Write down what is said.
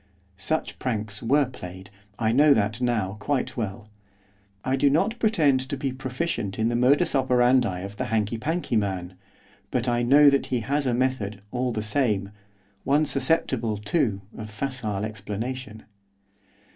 Such pranks were played. I know that now quite well. I do not pretend to be proficient in the modus operandi of the hankey pankey man, but I know that he has a method, all the same, one susceptible, too, of facile explanation.